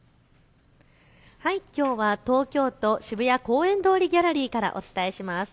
きょうは東京都渋谷公園通りギャラリーからお伝えします。